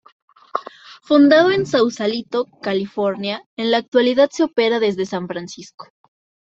Fundado en Sausalito, California, en la actualidad se opera desde San Francisco.